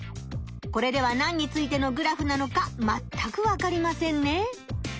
これでは何についてのグラフなのかまったくわかりませんね。